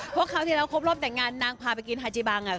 เพราะคราวที่แล้วครบรอบแต่งงานนางพาไปกินฮาจีบังอ่ะ